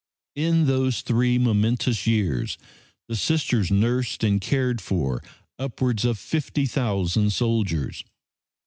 In those three momentous years the Sisters nursed and cared for upwards of 50,000 soldiers.